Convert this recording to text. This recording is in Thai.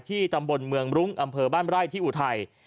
ตำบลเมืองรุ้งอำเภอบ้านไร่ที่อุทัย